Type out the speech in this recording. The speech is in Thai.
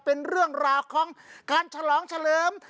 เป็นเรื่องราวของการฉลองเฉลิม